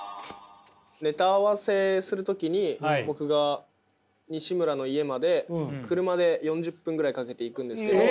ネタ合わせする時に僕がにしむらの家まで車で４０分ぐらいかけて行くんですけど。